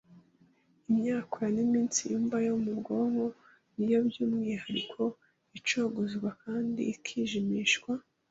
Imyakura n’imitsi yumva yo mu bwonko ni yo by’umwihariko icogozwa kandi ikijimishwa